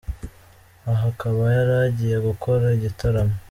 Aha akaba yari agiye gukora igitaramo.